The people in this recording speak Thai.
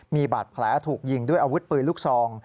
มีบาดแผลถูกยิงด้วยอาวุธปืนลูกซอง